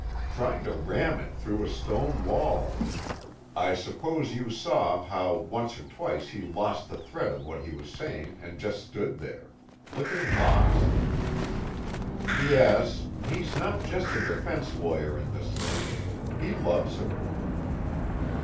Trying to ram it through a stone wall.... I suppose you saw how once or twice he lost the thread of what he was saying and just stood there. Looking lost." "Yes. He's not just a defense lawyer in this thing. He loves her."